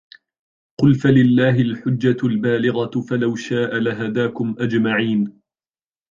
قُلْ فَلِلَّهِ الْحُجَّةُ الْبَالِغَةُ فَلَوْ شَاءَ لَهَدَاكُمْ أَجْمَعِينَ